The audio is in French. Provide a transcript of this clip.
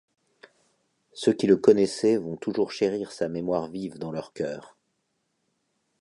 Ceux qui le connaissaient vont toujours chérir sa mémoire vive dans leur cœur.